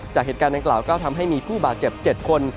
จากเหตุการณ์ดังกล่าวก็ทำให้มีผู้บาดเจ็บ๗คน